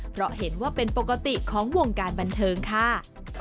เพราะเห็นว่าเป็นปกติของวงการบันเทิงค่ะ